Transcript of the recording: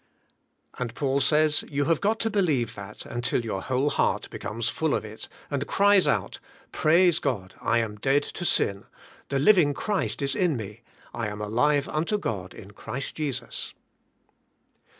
And Paul says you have got to believe that until your whole heart becomes full of it, and cries out, Praise God, I am dead to sin; the living Christ is in me, I am alive YIKLD YOURSKI.VES UNTO GOD. 197 unto God in Christ Jesus.